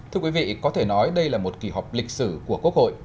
thưa quý vị có thể nói đây là một kỳ họp lịch sử của quốc hội